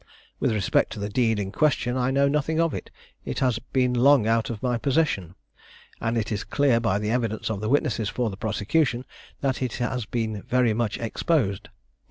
With respect to the deed in question, I know nothing of it, it has been long out of my possession, and it is clear by the evidence of the witnesses for the prosecution, that it has been very much exposed.